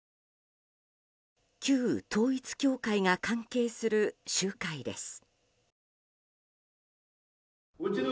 旧統一教会が関係する集会です。